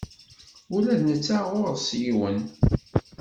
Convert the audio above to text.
Ula d netta ɣur-s yiwen.